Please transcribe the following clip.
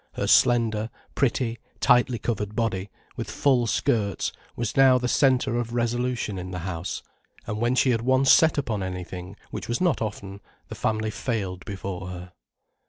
Her slender, pretty, tightly covered body, with full skirts, was now the centre of resolution in the house, and when she had once set upon anything, which was not often, the family failed before her.